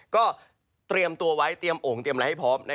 ก็เตรียมตัวไว้เตรียมโอ่งเตรียมอะไรให้พร้อม